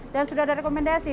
dan sudah ada rekomendasi